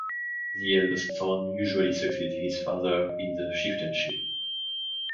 The eldest son usually succeeds his father in the chieftainship.